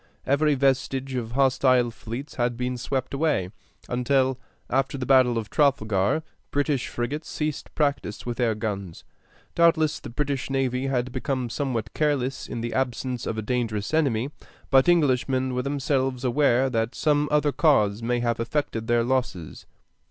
Every vestige of hostile fleets had been swept away, until, after the battle of Trafalgar, British frigates ceased practice with their guns. Doubtless the British navy had become somewhat careless in the absence of a dangerous enemy, but Englishmen were themselves aware that some other cause must have affected their losses.